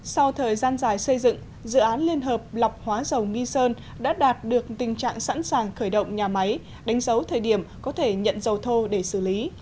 sau thời gian dài xây dựng dự án liên hợp lọc hóa dầu nghi sơn đã đạt được tình trạng sẵn sàng khởi động nhà máy đánh dấu thời điểm có thể nhận dầu thô để xử lý